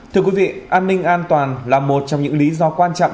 thưa quý vị an ninh an toàn là một trong những lý do quan trọng